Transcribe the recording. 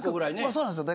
そうなんですよ。